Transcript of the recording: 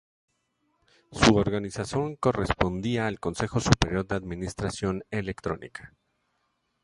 Su organización correspondía al Consejo Superior de Administración Electrónica.